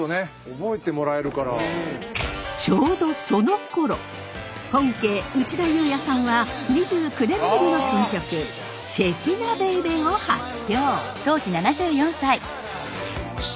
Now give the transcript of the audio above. ちょうどそのころ本家内田裕也さんは２９年ぶりの新曲「シェキナベイベー」を発表。